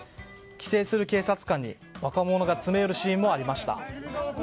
規制する警察官に若者が詰め寄るシーンもありました。